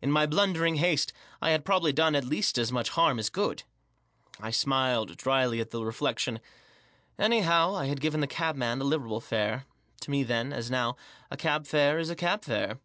In my blundering haste I had probably done at least as much harm as good. I smiled, drily, at the reflection. Anyhow, I had given the cabman a liberal fare. To me, then, as now, a cab fare is a cab fare.